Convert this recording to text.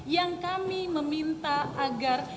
yang kami meminta agar